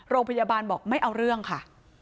โรงพยาบาลบอกไม่เอาเรื่องค่ะ